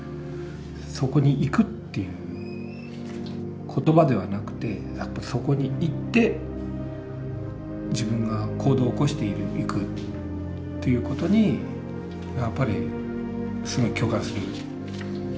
そこに行くっていう言葉ではなくてやっぱそこに行って自分が行動を起こしていくということにやっぱりすごい共感する。